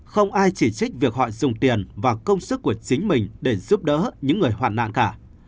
không ai chỉ trích việc họ dùng tiền và công sức của chính mình để giúp đỡ những người hoàn nạn cả